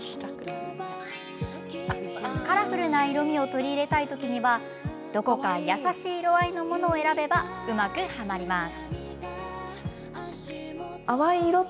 カラフルな色みを取り入れたい時にはどこか優しい色合いのものを選べば、うまくはまります。